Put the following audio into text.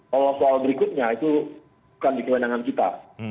kalau soal berikutnya itu bukan di kewenangan kita